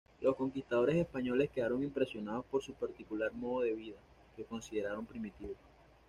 Los conquistadores españoles quedaron impresionados por su particular modo de vida, que consideraron primitivo.